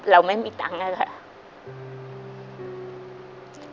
เราไม่มีตังค์นะค่ะ